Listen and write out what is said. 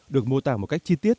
được mô tả một cách chi tiết